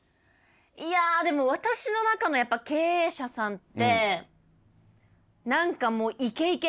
いやでも私の中の経営者さんって何かもうイケイケ！